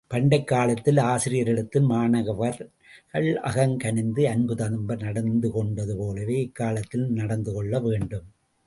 பண்டைக் காலத்தில், ஆசிரியரிடத்தில் மாணவர்கள் அகங்கனிந்து அன்பு ததும்ப நடந்து கொண்டது போலவே, இக்காலத்திலும் நடந்துகொள்ள வேண்டும்.